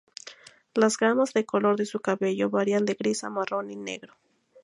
Las gamas de color de su cabello varían de gris a marrón y negro.